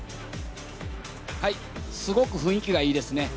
すごく雰囲気がいいですね。